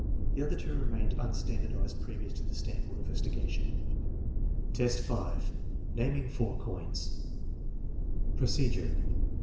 The other two remained un ' standardized previous to the Stanford investigation. 1 IT VI, 5. Naming four coins Procedure.